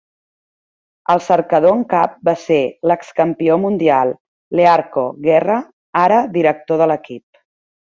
El cercador en cap va ser l'excampió mundial Learco Guerra, ara director de l'equip.